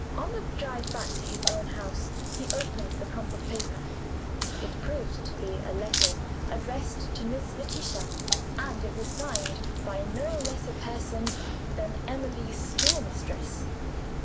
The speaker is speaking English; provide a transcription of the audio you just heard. On the drive back to his own house, he opened the crumpled paper. It proved to be a letter addressed to Miss Letitia; and it was signed by no less a person than Emily's schoolmistress.